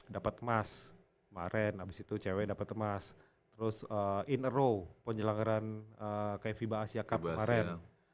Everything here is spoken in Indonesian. dapat emas kemaren abis itu cewe dapat emas terus in a row penjelanggaran kayak fiba asia cup kemaren